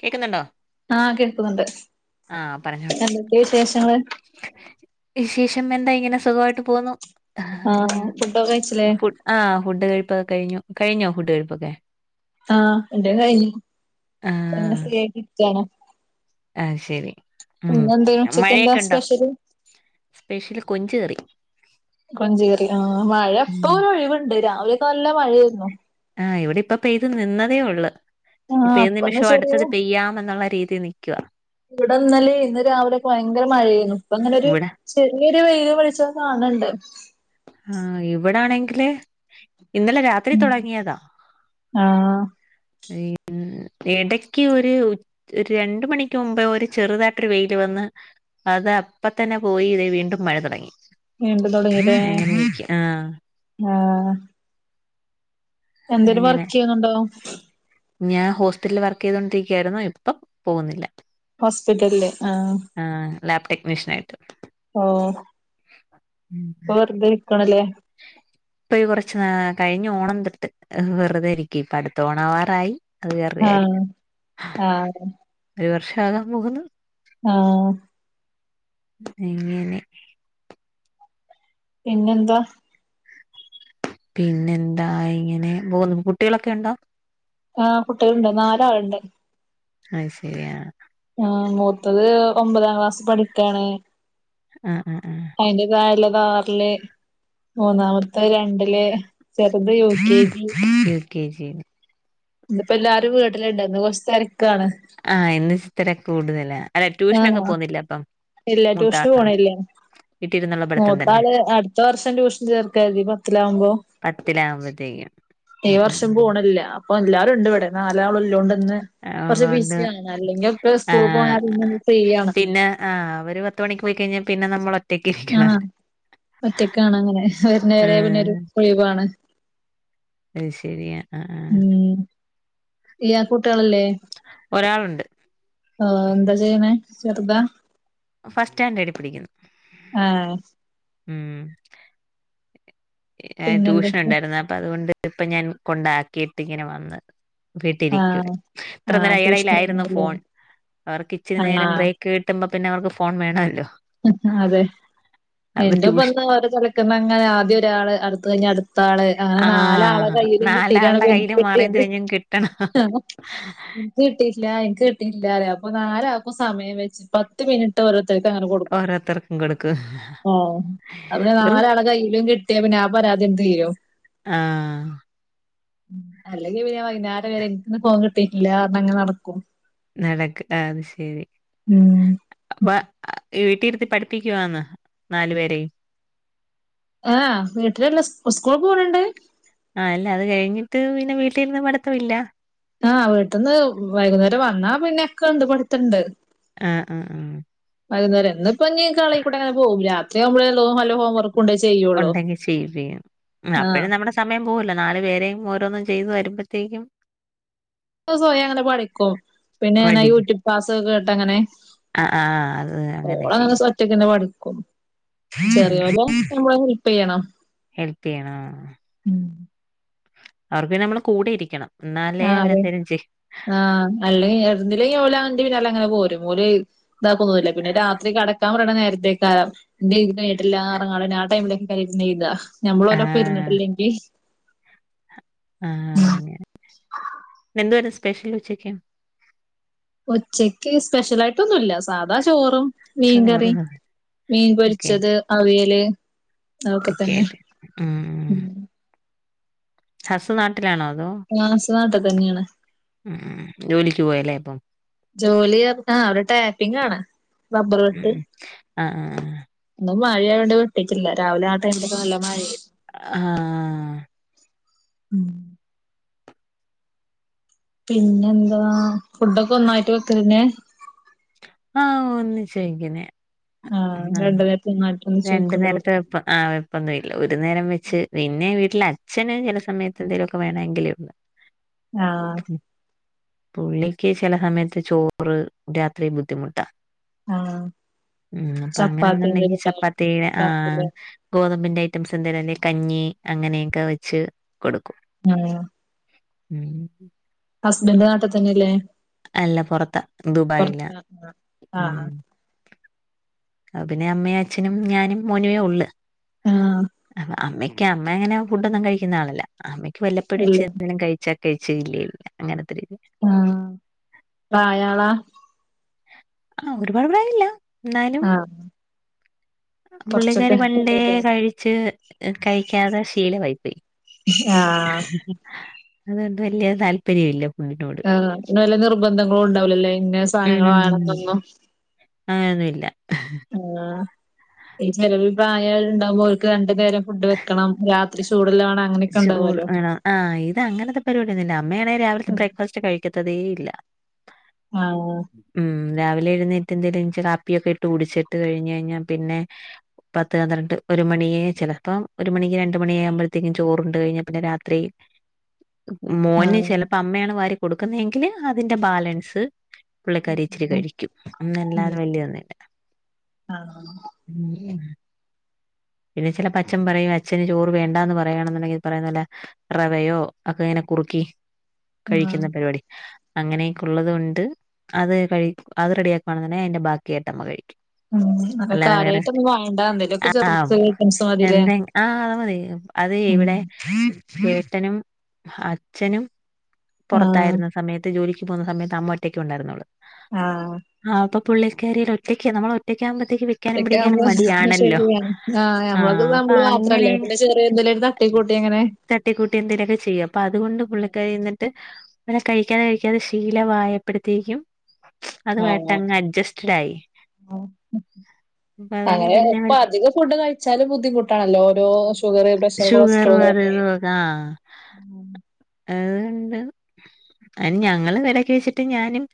കേക്ക്ന്നുണ്ടോ? ആഹ് കേക്കുന്നുണ്ട് പറഞ്ഞോ പിന്നെ ന്തൊക്കെയാ വിശേഷങ്ങള്? വിശേഷം എന്താ ഇങ്ങനെ സുഖ വായിട്ട് പോകുന്നു ആഹ് ഫുഡൊക്കെ കഴിച്ചില്ലേ? ആഹ് ഫുഡ് കഴിപൊക്കെ കഴിഞ്ഞു കഴിഞ്ഞോ ഫുഡ് കഴിപ്പൊക്കെ? ആഹ് എന്റെ കഴിഞ്ഞു ഇപ്പൊ ങ്ങനെ ഫ്രീ ആയിട്ടിരിക്കാണ് ആഹ് ശരി ഉം ഇന്നെന്തേനു ഉച്ചക്കെന്താ മഴയൊക്കെ ണ്ടോ? സ്പെഷ്യല് സ്പെഷ്യൽ കൊഞ്ച്കറി. കൊഞ്ച് കറി ആഹ് മഴ ഉം പ്പൊരൊഴിവുണ്ട് രാവിലൊക്കെ നല്ല മഴയെരുന്നു. ആഹ് ഇവിടെ ഇപ്പ പെയ്തു നിന്നതേ ഉള്ളു ആഹ് ഇപ്പേത് അപ്പൊന്ന് നിമിഷവും ചെറിയ അടുത്തത് പെയ്യാമെന്നുള്ള രീതി നിക്കുവാ വിടെ ഇന്നലെ ഇന്ന് രാവിലൊക്ക ഭയങ്കര മഴെയെനു പ്പ ങ്ങനൊര് ഇവിടെ ചെറിയൊരു വെയിലും വെളിച്ചൊം കാണ് ണ്ട് ആഹ് ഇവിടാണെങ്കില് ഇന്നലെ രാ ത്രി ഉം തൊടങ്ങിയതാ ആഹ് ഈ ഊ ഇടക്ക് ഒരു ഉച് ഒരു രണ്ട് മണിക്ക് മുമ്പ് ഒരു ചെറുതായിട്ടൊരു വെയില് വന്ന് അതപ്പ തന്നെ പോയി ദെ വീണ്ടും മഴ തുടങ്ങി വീണ്ടും തുടങ്ങില്ലേ അങ്ങനെ നിക്ക ആഹ് ആഹ് എന്തലു അങ്ങനെ വർക്ക് യ്യുന്നുണ്ടോ ഞാൻ ഹോസറ്റിറ്റലിൽ വർക്ക് ചെയ്തൊണ്ടിരിക്കായിരുന്നു ഇപ്പം പോകുന്നില്ല ഹോസ്പിറ്റലിൽ ആഹ് ആഹ് ലാബ് ടെക്നീഷ്യൻ ആയിട്ട് ഓഹ് അപ്പൊ വെറുതെ ഇരിക്കണല്ലേ ഇപ്പൊ ഈ കുറച്ച് കഴിഞ്ഞ ഓണം തോട്ട് വെറുതൊയിരിക്കും ഇപ്പ അടുത്ത ഓണവാറായി അത് [unintelligible] ആഹ് കാര്യം ആഹ് ഒരു വർഷ ആകാൻ പോകുന്നു ആഹ് എങ്ങനെ പിന്നെന്താ പിന്നെ എന്താ ഇങ്ങനെ പോക്ന്നു കുട്ടികളൊക്കെ ഉണ്ടോ ആഹ് കുട്ടികളുണ്ട് നാല ആളണ്ട് അയ് ശരിയ ആഹ് മൂത്തത് ഒമ്പതാം ക്ലാസ് പഠിക്കയാണ് ആഹ് ആഹ് ആഹ് അയിന്റെ തായലതാ റില് മൂന്നാമത്തെ രണ്ടില് ചെറുത് യുകെ ജി യുകെജി ഇപ്പോ എല്ലാവാരും വീട്ടിലിണ്ട് ന്നിപ്പോ കൊറച്ച് തിരക്കാണ് ആഹ് എന്നിത്ര കൂടുതല അല്ലെ ട്യൂഷനൊക്കെ ആഹ് പോവ് ന്നില്ല അപ്പം ഇല്ല ട്യൂഷന് മൂത്താള് പോണല്ലേ [unintelligible] മൂത്താള് അടുത്ത വർഷം ട്യൂഷൻ ചേർകാര് തി പത്തിലാകുമ്പോ പത്തിലാവകുമ്പോത്തേക്കും ഈ വർഷം പോണില്ല അപ്പൊ എല്ലാരുംണ്ട് വിടെ നാലാളല്ലോണ്ട് ന്ന് അവളോണ്ട് കുറച്ച്ബിസിയ അല്ലെങ്കിൽ സ്കൂൾ പോയാ ൽ പി ന്ന ഫ്രീ ആണല്ലോ അഹ് അവര് പത്ത മണിക്ക് പോയി കഴിഞ്ഞാൽ പിന്നെ നമ്മൾ ഒറ്റക്ക് ആഹ് ഇരിക്കണല്ല ഉം ലീവാണ് അയ് ശരിയാ ആഹ് ആഹ് ഇയാക്ക് കുട്ടികളില്ലേ ഒരാളുണ്ട് ആഹ് എന്താ ചെയ്യണേ ചെറുതാ ഫസ്റ്റ് സ്റ്റാൻഡേർഡ് പടിക്കുന്നു ആഹ് ഉം ട്യൂഷൻ പിന്നെന്തൊക്കെ ഉണ്ടായിരുന്ന അപ്പൊ അതുകൊണ്ട് ഇപ്പ ഞാൻ കൊണ്ടാക്കിയിട്ട് ഇങ്ങനെ വന്ന് വീട്ടിരിക്കുവ ആഹ് ഇത്ര ആഹ് നേരം ട്യൂഷന് അയായിലായിരുന്നു പോണല്ലേ ഫോൺ അവർക്ക് ഇച്ചിരി നേരം ആഹ് ബ്രേക്ക് കേട്ടുമ്പോ പിന്നെ അവർക്ക് ഫോൺ വേണമല്ലോ [unintelligible] അതെ എന്റെ ട്യൂഷൻ ഇപ്പന്ന് ഓരോതലക്കന്ന് അങ്ങനെ ആദ്യം ഒരാള് അടുത്ത കഴിഞ്ഞഞ് അടുത്ത ആള് അങ്ങനെ നാല ആളെ ആഹ് കയ്യി നാലാളുടെ കയ്യില് മാറിയും തിരിഞ്ഞും കിട്ടണം നിക്ക് കിട്ടിട്ട്ല്ല എനിക്ക് കിട്ടിട്ടില്ല പറേ അപ്പൊ നാല ആക്കും സമയം വെച്ച് പത്ത് മിനി്ട്ട് ഓരോരുത്തർക്ക് അങ്ങനെ കൊട് ഓരോരുർക്കും കൊടുക്കും ഓഹ് പിന്നെ നാലാളെ കയ്യിലും കിട്ടിയ പിന്നെ ആ പരാതിയ എണ്ട് തീരും ആഹ് അല്ലെങ്കി പിന്നെ വൈന്നാരം വരെ ഇൻക്ക്ന്ന് ഫോൺ കിട്ടീട്ടില്ലാ പറഞ്ഞങ്ങനെ നടക്കും നടക്ക് ആഹ് അത് ശരി ഉം [unintelligible] വീട്ടിരുത്തി പഠിപ്പിക്കുവാന്നോ നാലു പേരെയും ആഹ് വീട്ടിലിരുന്ന് സ്കൂള് പോണണ്ട് ആഹ് അല്ല അത് കഴിഞ്ഞിട്ട് പിന്നെ വീട്ടീരുന്ന് പഠിത്തവില്ലാ ആഹ് വീട്ട്ന്ന് വൈകുന്നേരം വന്നാ പിന്നെ ഒക്കെ ഉണ്ട് പഠിത്തണ്ട് ആഹ് ആഹ് ആഹ് വൈകുന്നേരം ഇന്ന്പ്പഞ്ഞി കളികൂടെ ഇങ്ങനെ പോവും രാത്രിയാവുമ്പളെ ഇള്ളൂ വല്ല ഹോംവർക്ക് ക്കുണ്ടെ ചെയ്യും ഒണ്ടെങ്കി ചെയ്യും ചെയ്യും അപ്പഴും നമ്മടെ സ് സമയം പോവല്ലോ നാല് പേരെയും ഓരോന്നും ചെയ്തു വരുമ്പത്തേക്കും സ്വയങ്ങനെ പഠിക്കും പിന്നെ ഇങ്ങനെ മടിക്കും യൂട്യൂബ് ക്ലാസ്സ് കേട്ടങ്ങനെ ആഹ് ആഹ് അത് അങ്ങനെ ചെയ്യും റ്റെങ്ങനെ പഠിക്കും ചെറിയോനെ നമ്മള് ഹെൽപ്പെയ്യണം ഹെൽപ് ചെയ്യണം ഉം അവർക്ക് പിന്നെ നമ്മള് കൂടെ ഇരിക്കണം ഇന്നാലേ ആഹ് അതെ അവരെന്തേലും ചെയ്യ് ആഹ് അല്ലെ [unintelligible] ഓലെൻ്റെ പിന്നാലെ അങ്ങനെ പോരും ഓല് ഇതാക്കൊന്നൂല്ലാ പിന്നെ രാത്രി കടക്കാൻ പറയണ നേരത്തെക്കാരം ഇന്റെ എയ്തി കഴിഞ്ഞിട്ടില്ലാ [unintelligible] ആ ടൈമിലൊക്കാ ഇരുന്ന് എഴ്താ ഞമ്മള് ഓരൊപ്പം ആഹ് ഇരുന്നിട്ടില്ലെങ്കി ആഹ് അങ്ങനെ [unintelligible] എന്താരുന്നു സ്പെഷ്യൽ ഉച്ചക്ക് ഉച്ചക്ക് സ്പെഷ്യലായി ട്ടൊന്നുല്ലാ സാധാ ചോറും ചോറ് മീൻകറി മീൻ ഓക്കെ പൊരിച്ചത് അവിയല് അതൊക്കെ ഓക്കെ തന്നെ ഓക്കെ ഉം ഹസ് നാട്ടിലാണോ അതോ? ആഹ് ഹസ് നാട്ട് തന്നെയാണ് ഉം ജോലിക്ക് പോയല്ലേ അപ്പം ജോലി പറഞ്ഞാ അവര് ടാപ്പിംഗാണ് റബ്ബറ് ഉം വെട്ട് ഉം ആഹ് ആഹ് ആഹ് ഇന്നും മഴയായോണ്ട് വെട്ടീറ്റില്ലാ രാവിലെ ആ ടൈമിലൊക്കെ നല്ല മഴയായിരുന്നു ആഹ് ഉം പിന്നെന്താ ഫുഡൊക്കെ ഒന്നായിട്ട് വെക്കലെന്നെ ആഹ് ഒന്നിച്ചു വെക്കുന്നെയാ ആ ആഹ് രണ്ട് നേരത്തെ ഒന്നായിട്ട് ഒന്നിച്ച് രണ്ടു നേരത്തെ വെക്കുണ്ടാവുല്ലേ വെപ്പ് ആഹ് പ്പൊന്നും ഇല്ലാ ഒരു നേരം വെച്ച് പിന്നെ വീട്ടിലെ അച്ഛന് ചെല സമയത്ത് എന്തേലൊക്കെ വേണങ്കിലേ ഉള്ളൂ ആഹ് ഉം. പുള്ളിക്ക് ചെല സമയത്ത് ചോറ് രാത്രി ബുദ്ധിമുട്ടാ ആ ഉം അപ്പൊ ചപ്പാത്തിന്റെ അങ്ങനെന്ന്ണ്ടെങ്കി കൂടെ ചപ്പാത്തി ആഹ് രാത്രിയില് ഗോതമ്പിന്റെ ഐറ്റംസ് എന്തേലും അല്ലെ കഞ്ഞി അങ്ങനെയൊക്കെ വെച്ച് കൊടുക്കും ആഹ് ഉം ഹസ്ബൻ്റ് നാട്ടിത്തന്നില്ലേ അല്ല പൊറത്താ ദുബായിലാ ആ ആ ഉം അപ പിന്നെ അമ്മയും അച്ഛനും ഞാനും മോനുവേ ഒളള് ആ അമ്മയ്ക്ക് അമ്മ അങ്ങനെ ഫുഡൊന്നും കഴിക്കുന്ന ആളല്ല അമ്മയ്ക്ക് വല്ലപ്പഴും ഇച്ചി എല്ലാം എന്തെങ്ങ് കഴി ച്ചാ കഴിച്ച് ഇല്ലേയില്ല അങ്ങനത്തെ രീതി ആഹ് പ്രായാളാ ആഹ് ഒരുപാട് പ്രായംല്ല എന്നാലും ആഹ് കൊറച്ചൊക്കെ പുള്ളിക്കാരി പണ്ടേ കഴിച്ച് കഴിക്കാതെ ശീലവായിപ്പോയി ആഹ് അതുകൊണ്ട് വല്യ താല്പര്യം ഇല്ല ആഹ് പിന്നെ വല്ല നിർബന്ധങ്ങളും ഉണ്ടാവൂലല്ലേ ഇന്ന സാധനങ്ങൾ വേണംന്നൊന്നും അങ്നൊന്നൂല്ല ആഹ് ഈ ചിലവിൽ പ്രായായോരുണ്ടാവുമ്പോ ഓർക്ക് രണ്ടു നേരം ഫുഡ് വെക്കണം രാത് ത്രി ചൂടുള്ള വേണം അങ്ങനെയൊക്കെ ചൂട് ഉണ്ടാവുമല്ലോ വേണം ആഹ് ഇത് അങ്ങനത്തെ പരിപാടിയൊന്നും ഇല്ല അമ്മയാണെ രാവിലത്തെ ബ്രേക്ക്ഫാസ്റ്റ് കഴിക്കത്തതേ ഇല്ല ആഹ് ഉം രാവിലെ എഴുന്നേറ്റ് എന്തേലും ഇച്ചി കാപ്പിയൊക്കെ ഇട്ട് കുടിച്ചിട്ട് കഴിഞ്ഞ് കഴിഞ്ഞാ പിന്നെ പത്ത് പന്ത്രണ്ട് ഒരു മണിയേ ചെലപ്പം ഒരു മണിക്ക് രണ്ട് മണിയാകുമ്പഴത്തേക്കും ചോറുണ്ട് കഴിഞ്ഞാ പിന്നെ രാത്രി മോന് ആഹ് ചെലപ്പോ അമ്മയാണ് വാരി കൊടുക്കുന്നയെങ്കില് അതിന്റെ ബാലൻസ് പുള്ളിക്കാരി ഇച്ചിരി കഴിക്കും ഉം അന്നല്ലാതെ വല്യൊന്നും ഇല്ല ആഹ് ഉം പിന്നെ ചെലപ്പോ അച്ഛൻ പറയും അച്ഛന് ചോറ് വേണ്ടാന്ന് പറയ്യാണെന്നുണ്ടെങ്കി ഈ പറയുന്ന പോലെ റവയോ ഒക്കെ ഇങ്ങനെ കുറുക്കി ആഹ് കഴിക്കുന്ന പരിപാടി അങ്ങനെയൊക്കെ ഉള്ളത്കൊണ്ട് അത് കഴിക് അത് റെഡിയാക്കുവാണെന്നെന്നേ അതിന്റെ ബാക്കിയായിട്ടമ്മ കഴി ഉം നല്ല കാര്യായിട്ടൊന്നും വേണ്ടാ എന്തേലുമൊക്കെ ചെറു ചെറിയ ഐറ്റംസ് മതില്ലേ എന്തെങ് ആ അത് മതി അത് ഉം ഇവിടെ ചേട്ടനും അച്ഛനും ആഹ് പൊറത്തായിരുന്ന സമയത്ത് ജോലിക്ക് പോകുന്ന സമയത്ത് അമ്മയൊറ്റക്കെ ഒണ്ടായിരുന്നുള്ളു ആഹ് ആഹ് അപ്പൊ പുള്ളിക്കാരിയില്ലെ ഒറ്റക്ക് നമ്മളൊറ്റയ്ക്കാകുമ്പഴത്തേക്ക് വെയ് ഒറ്റയ്ക്കാകുമ്പോ ശരിയാണ് ആഹ് നമ്മളത് അപ്പൊ നമ്മള് അങ്ങനെ മാത്രല്ലേ പിന്നെ ചെറിയ എന്തെലുക്കെ തട്ടി കൂട്ടി അങ്ങനെ തട്ടിക്കൂട്ടി എന്തേലൊക്കെ ചെയ്യും അപ്പൊ അതുകൊണ്ട് പുള്ളിക്കാരി എന്നിട്ട് അങ്ങനെ കഴിക്കാതെ കഴിക്കാതെ ശീലവായപ്പഴത്തേക്കും ആഹ് അതുവായിട്ടങ്ങ് അഡ്ജസ്റ്റഡായി ഇപ്പൊ അതുകൊണ്ട് അങ്ങനെ പിന്നെ ഇപ്പ വല്യ അധിക ഫുഡ് കഴിച്ചാലും ബുദ്ധിമുട്ടാണല്ലോ ഓരോ [unintelligible] കൊളസ്ട്രോൾ ഷുഗറും പറഞ്ഞ് അതുവിതുവൊക്കെ ആ അതുകൊണ്ട് അയ്ന് ഞങ്ങളും എടക്ക് വെച്ചിട്ട് ഞാനും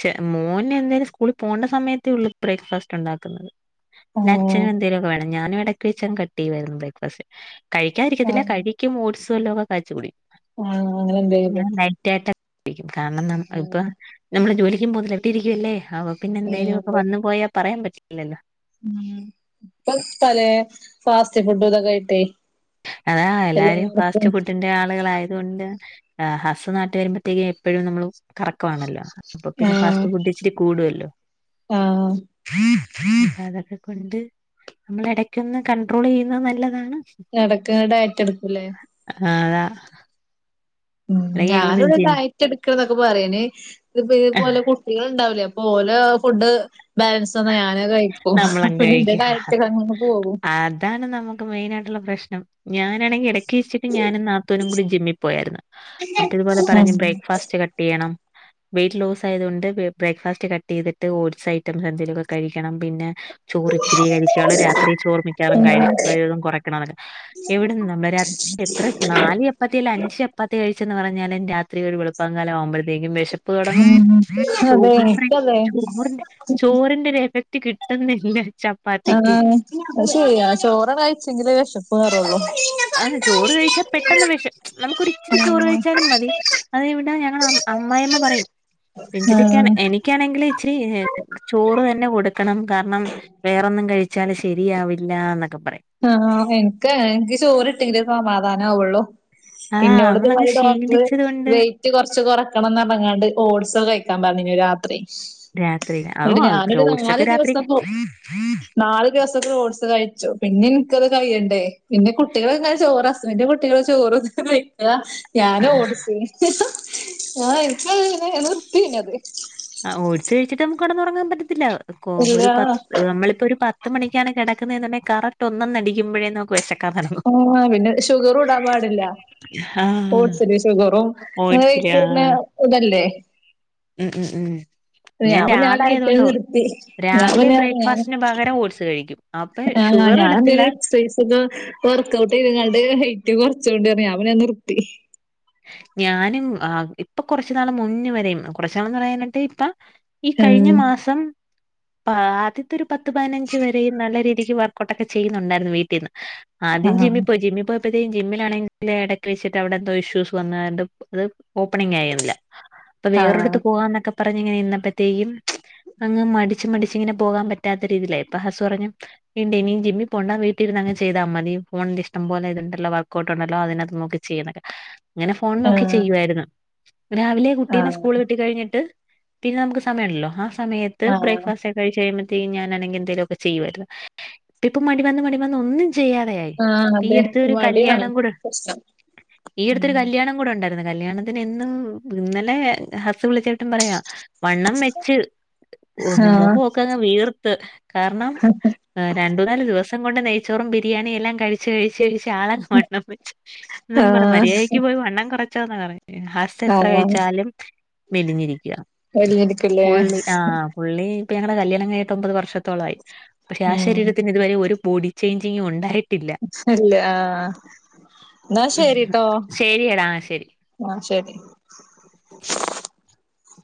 ചെ മോന് എന്നേലും സ്കൂളി പോണ്ട സമയത്തേ ഉള്ളൂ ബ്രേക്ക്ഫാസ്റ്റ് ഒണ്ടാക്കുന്നത് പിന്നെ അച്ഛന് ആഹ് എന്തേലുംക്കെ വേണം ഞാനും എടയ്ക്ക് വെച്ചങ്ങ് കട്ട് ചെയ്യ്വായിരുന്നു ബ്രേക്ക്ഫാസ്റ്റ് കഴിക്കാതിരിക്കത്തില്ല കഴിക്കും ഓട്സ് വല്ലോക്കെ കാച്ചികുടി ആഹ് അങ്ങനെ ഇങ്ങനെ എന്തെങ്കിലും ലൈറ്റായിട്ട് ടിക്കും കാരണം ന ഇപ്പ ഉം നമ്മള് ജോലിക്കും പോന്നില്ല വീട്ടി ഇരിക്കുവല്ലേ അപ ഉം പിന്നെന്തേലുവൊക്ക വന്നു പോയാ പറയാൻ പറ്റില്ലല്ലോ ഉം ഇപ്പ പലേ ഫാസ്റ്റ് ഫുഡും ഇതൊക്കായിട്ടെ അതാ എല്ലാരും ഫാസ്റ്റ് ഫുഡിന്റെ ആളുകളായത് കൊണ്ട് ആ ഹസ്റ്റ് നാട്ട് വരുമ്പഴത്തേക്കും എപ്പഴും നമ്മള് കറക്കവാണല്ലോ അപ്പൊ പിന്നെ ആഹ് ഫാസ്റ്റ് ഫുഡ്ച്ചിരി കൂടുവല്ലോ ആഹ് അതൊക്കെ കൊണ്ട് നമ്മളെടക്കൊന്ന് കണ്ട്രോളെയ്യുന്നത് നല്ലതാണ് എടക്ക്ങ്ങള് ടയറ്റെടുക്കൂല്ലേ? ആഹ് അതാ ഉം അല്ലെങ്കിൽ ഞങ്ങളൊന്ന് ഞാനിവിടെ ജിം ഡയറ്റെടുക്കാന്നൊക്കെ പറയ്ന് ഇപ്പതേ പോലെ കുട്ടി കളുണ്ടാവൂലേ അപ്പോലെ ഫുഡ് ബാലൻസ് വന്നാ ഞാനത് കഴിക്കും അപ്പ നമ്മളും പിന്നെന്റെ കഴിക്കും ഡയറ്റക്കങ്ങ് പോകും അതാണ് നമു ക്ക് മെയിനായിയിട്ടുള്ള പ്രശ്നം ഞാനാണെങ്കി എടക്ക് വെച്ചിട്ട് ഞാനും നാത്തൂനും കൂടി ജിമ്മി പോയായിരുന്നു അപ്പിതുപോലെ പറഞ്ഞ് ഉം ബ്രേക്ക്ഫാസ്റ്റ് കട്ട കട്ടെയ്യണം വൈറ്റ് ലോസായതു കൊണ്ട് ബ്രേക്ഫാസ്റ് കട്ട്‌ ചെയ്തിട്ട് ഓഡ്സൈറ്റം എന്തെങ്കിലൊക്കെ കഴിക്കണം പിന്നെ ചോറ്ച്ചിരിയെ കഴിക്കാള്ളൂ രാത്രി ചോറ് മിക്കവാറും കഴ ഉം കഴിവതും കൊറക്കണന്നൊക്കെ എവിടന്ന് നമ്മ രാത്രി എത്ര നാല് ച പ്പാത്തിയല്ല അഞ്ച് ചപ്പാത്തി കഴിച്ചെന്ന് പറഞ്ഞാലും രാത്രി ഒരു വെളുപ്പാങ്കാലം ആവുമ്പഴത്തേക്കും വെഷ പ്പ് തൊടങ്ങും ഉം അതെ ചോറ് എനിക്കതെ ചോറിന്റെ ചോറിന്റൊരു എഫക്ട് കിട്ടുന്നില്ല ചപ്പാത്തിക്ക്. ആഹ് അഹ്ശരിയാ ചോറ് കഴിച്ചെങ്കിലെ വെഷപ്പ് മാറൊള്ളു ആ ചോറ് കഴിച്ചാ പെട്ടെന്ന് വെശപ്പ് നമുക്കൊരിച്ചിരി ചോറ് കഴിച്ചാലും മതി അത് വിടെ ഞങ്ങളെ അമ്മായിഅമ്മ പറയും രഞ്ചിതക്കാണ് ആഹ് എനിക്കാ ണെങ്കില് ഇച്ചിരി ചോറ് തന്നെ കൊടുക്കണം കാരണം വേറൊന്നും കഴി ച്ചാല് ശരിയാവില്ലാന്നൊക്കെ പറയും ആഹ് എനിക്കങ്ങനെ എനിക്ക് ചോറ് കിട്ടിയെങ്കിലെ സമാധാനാവൊള്ളൂ ആഹ് ഇന്നോടിത് നമ്മളങ്ങ് പോലെ ഡോക്ടറ് ശീലിച്ചത് വെയിറ്റ് കൊണ്ട് വെയിറ്റ് കൊറച്ച് കൊറക്കണംന്ന് പറഞ്ഞ്ങ്ങാണ്ട് ഓട്സ്റ്റൊക്കെ കഴിക്കാൻ പറഞ്ഞീനു രാത്രി രാത്രിലെ ആഹ് എന്നിട്ട് ആ ഞാനൊരു ഓഡ്സൊക്കെ നാല് രാത്രി ദിവസം പോ നാല് ദിവസൊക്കെ ഓഡ്സ് കഴിച്ചു പിന്നെ ഇൻക്കത് കയ്യണ്ടേ പിന്നെ കുട്ടികള് ഇങ്ങനെ ചോറ് ഹസ്ബൻഡ് കുട്ടികളും ചോറ്ങ്ങനെ കയ്ക്കാ ഞാനോഡ്സ് ഞാ ഇൻക്കഹ് ങ്ങനെ ഞാ നിർത്തി പിന്നത് ആ ഓഡ്സ് കഴിച്ചിട്ട് നമുക്ക് കടന്നുറങ്ങാൻ പറ്റത്തില്ല ഇല്ല ഒരു പത്ത് നമ്മളിപ്പൊരു പത്തു മണിക്കാണ് കെടക്ക്ന്നേന്ന്ണ്ടേ കറക്റ്റ് ഒരു മണിയടിക്കുമ്പഴേ നമുക്ക് വിശക്കും ആഹ് പിന്നെ ഷുഗറുടാൻ പാടില്ല ആഹ് ഓട്സില് ഷുഗറും അങ്ങനെ ഓട്സില് കഴിക്ക്ന്നെ ആഹ് ഇതല്ലേ ഉം ഉം ഉം ഞാൻ പിന്നെ ആ രാവിലെ അതുകൊണ്ട് ഡയറ്റങ്ങ് നിർത്തി ഞാൻ രാവിലെ പിന്ന ഞാൻ ബ്രേക്ക്ഫാസ്റ്റിന് പകരം ഓട്സ് കഴിക്കും അപ്പൊ ആ ഷുഗർ ഇടത്തില്ല ഞാനെന്തേലും എക്സൈസ്കൾ വർക്കൗട്ട് ചെയ്ത്ങ്ങാണ്ട് വെയിറ്റ് കൊർച്ചോണ്ട് പറഞ്ഞ് ഞാൻ പിന്നെ നിർത്തി ഞാനും ഇപ്പൊ കൊറച്ചു നാള് മുന്ന് വരെയും കുറച് നാളന്ന് പറയാനായിട്ട് ഇപ്പൊ ഈ കഴിഞ്ഞ ആഹ് മാസം ആദ്യത്തൊരു പത്ത് പതിനഞ്ച് വരെയും നല്ല രീതിക്ക് വർ ക്കൗട്ടൊക്കെ ചെയ്യുന്നുണ്ടായിരുന്നു വീട്ടീന്ന് ആദ്യം ആഹ് ജിമ്മി പോയി ജിമ്മി പോയ പ്പത്തേനും ജിമ്മിലാണങ്കിലെടയ്ക്ക് സെച്ചിട്ട് അവിടെന്തോ ഇഷ്യൂസ് ഓപ്പണി ആയേന്നില്ല അ ആഹ് വേറെടുത്ത് പോവാന്നൊക്കെ പറഞ്ഞിങ്ങനെ ഇരുന്നപ്പോഴത്തേക്കും അങ്ങ് മടിച്ച് മടിച്ച് ഇങ്ങനെ പോകാൻ പറ്റാത്ത രീതിയിലായി ഇപ്പൊ ഹസു പറഞ്ഞു വീണ്ട് ഇനി ജിമ്മിൽ പോണ്ട വീട്ടിരുന്ന് അങ്ങ് ചെയ്താൽ മതി ഫോണില് ഇഷ്ട്ടം പോലെ ഇതുണ്ടല്ലോ വർക്കഔട്ട് ഒണ്ടല്ലോ അതിനാത്ത് നോക്കി ചെയ്യൊക്കെ അങ്ങനെ ഫോൺ നോക്കി ആഹ് ചെയ്യുവായിരുന്നു രാവിലെ കുട്ടീനേ ആഹ് സ്കൂള വിട്ട് കഴിഞ്ഞിട്ട് പിന്നെ നമുക്ക് സമയണ്ടല്ലോ ആഹ് സമയത്തക്കെ ആഹ് ബ്രേക്ക്ഫാസ്റ്റ് ചെയ്യുമ്പോതീനും ഞാൻ അനങ്ങി എന്തേലും ഒക്കെ ചെയ്യാരുന്നു ഇപ്പ മടി വന്ന് മടി വന്ന് ഒന്നും ചെയ്യാതെയായി ഈ അടുത്ത് ഒരു കല്യാണം കൂടെ അ ടുത്തൊരു കല്യാണം കൂടെ ഉണ്ടായിരുന്നു കല്യാണത്തിന്ന് ഇന്നു ഇന്നലെ ഹസ്സ് വിളിച്ചിട്ടും പറയാം വണ്ണം വെച്ച് ആഹ് മുഖൊക്കെ അങ്ങ് വീർത്ത് കാരണം രണ്ടൂ നാല് ദിവസം കൊണ്ട് നെയ്ച്ചോറും ബരിയാണി എല്ലാം കഴി ചേഴി ചഴിച്ച ആളൊക്കെ വണ്ണം വെച്ച് ന്നും പറ ആഹ് മര്യാദക്ക് പോയി വണ്ണം കുറച്ചോന്ന പറയുന്നേ എത്ര ആഹ് കഴിച്ചാലും മെലിഞ്ഞിരിക്കുക വലിഞ്ഞിരിക്കല്ലേ പുള്ളി ആഹ് പുള്ളി ഇപ്പൊ ഞങ്ങള കല്യാണം കയ്ഞ്ഞിട്ട് ഒമ്പത് വർഷത്തോള മായി പക്ഷെ ആഹ് ഉം ശരീരത്തിന് ഇതുവരെ ഒരു ബോഡി ചേഞ്ചിങ് ഉണ്ടായി ഇല്ലേ ആഹ് എന്നാ ശരിട്ടോ ശരി ടാ ശരി ആഹ്! ശരി.